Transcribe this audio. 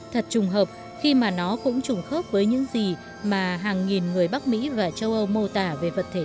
thật trùng hợp khi mà nó cũng trùng khớp với những gì mà hàng nghìn người bắc mỹ và châu âu mô tả về vật thể